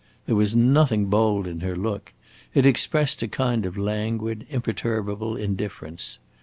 There was nothing bold in her look; it expressed a kind of languid, imperturbable indifference.